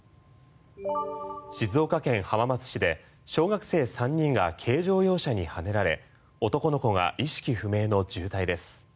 静岡県浜松市で小学生３人が軽乗用車にはねられ男の子が意識不明の重体です。